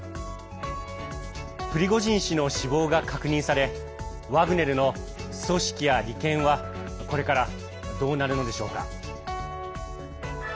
プリゴジン氏の死亡が確認されワグネルの組織や利権はこれからどうなるのでしょうか？